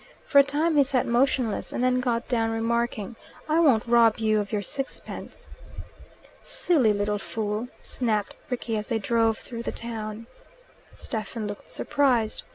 For a time he sat motionless, and then got down, remarking, "I won't rob you of your sixpence." "Silly little fool," snapped Rickie, as they drove through the town. Stephen looked surprised.